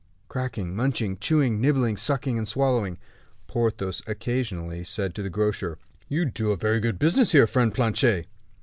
Cracking, munching, chewing, nibbling, sucking, and swallowing, Porthos occasionally said to the grocer: "You do a very good business here, friend Planchet."